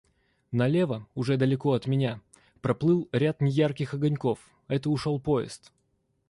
Налево, уже далеко от меня, проплыл ряд неярких огоньков — это ушел поезд.